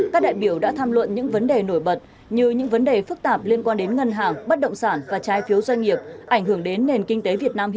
các đại biểu đã tham luận những vấn đề nổi bật như những vấn đề phức tạp liên quan đến ngân hàng bắt động sản và trái phiếu doanh nghiệp